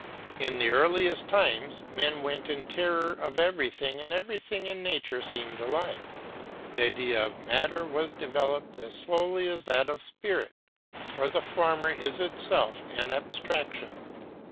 In the earliest times men went in terror of everything and everything in nature seemed alive. The idea of matter was developed as slowly as that of spirit, for the former is itself an abstraction.